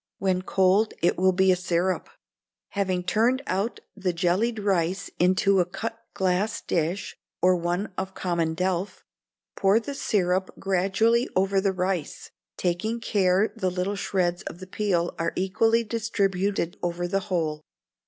(When cold it will be a syrup.) Having turned out the jellied rice into a cutglass dish, or one of common delf, pour the syrup gradually over the rice, taking care the little shreds of the peel are equally distributed over the whole.